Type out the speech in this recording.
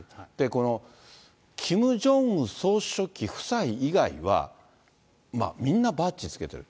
このキム・ジョンウン総書記夫妻以外は、みんなバッジつけてる。